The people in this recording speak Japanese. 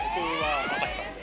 朝日さんで。